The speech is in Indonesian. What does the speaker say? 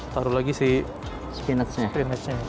taruh lagi si spinnets nya